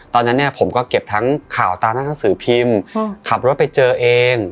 ตอนนั้นเนี่ยผมก็เก็บทั้งข่าวตามหน้าหนังสือพิมพ์ขับรถไปเจอเอง